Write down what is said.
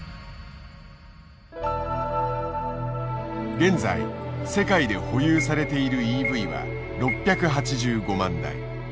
現在世界で保有されているＥＶは６８５万台。